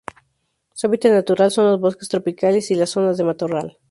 Su hábitat natural son los bosques tropicales y las zonas de matorral.